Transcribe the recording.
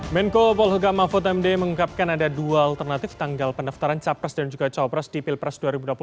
menko polhuka mahfud md mengungkapkan ada dua alternatif tanggal pendaftaran capres dan juga cawapres di pilpres dua ribu dua puluh empat